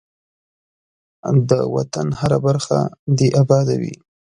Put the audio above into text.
ده وطن هره برخه دی اباده وی.